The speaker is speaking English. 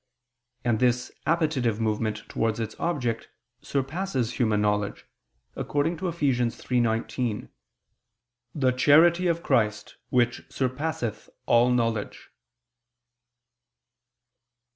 And this appetitive movement towards its object surpasses human knowledge, according to Eph. 3:19: "The charity of Christ which surpasseth all knowledge."